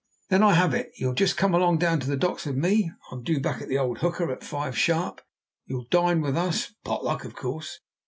"Then I have it. You'll just come along down to the docks with me; I'm due back at the old hooker at five sharp. You'll dine with us pot luck, of course.